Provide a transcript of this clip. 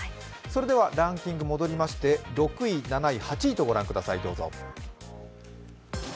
それではランキング戻りまして、６位、７位、８位とご覧ください。